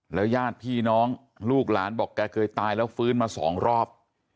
ญาติพี่น้องลูกหลานบอกแกเคยตายแล้วฟื้นมาสองรอบ